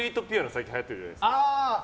最近、はやってるじゃないですか。